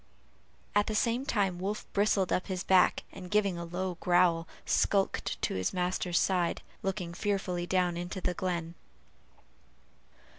at the same time Wolf bristled up his back, and giving a low growl, skulked to his master's side, looking fearfully down into the glen.